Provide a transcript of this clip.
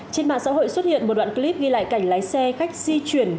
trên mạng xã hội xuất hiện một đoạn clip ghi lại cảnh lái xe khách di chuyển